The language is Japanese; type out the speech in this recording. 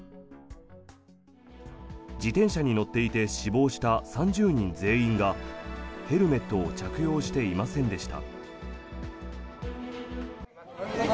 自転車に乗っていて死亡した３０人全員がヘルメットを着用していませんでした。